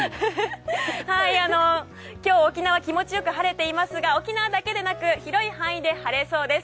今日、沖縄は気持ちよく晴れていますが沖縄だけでなく広い範囲で晴れそうです。